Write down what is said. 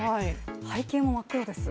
背景も真っ黒です。